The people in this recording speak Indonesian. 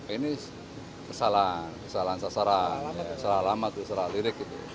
ini kesalahan kesalahan sasaran salah alamat salah lirik